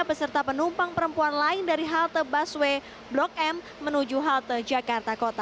beserta penumpang perempuan lain dari halte busway blok m menuju halte jakarta kota